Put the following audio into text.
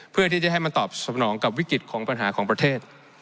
เพื่อที่จะให้มันตอบสนองกับวิกฤตของปัญหาของประเทศ